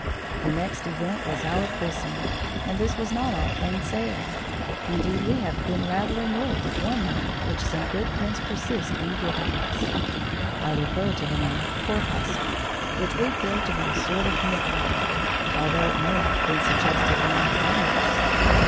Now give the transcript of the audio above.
The next event was our christening, and this was not all plain sailing. Indeed, we have been rather annoyed with one name which some good friends persist in giving us. I refer to the name corpuscle, which we feel to be a sort of nickname, although it may have been suggested in all kindness.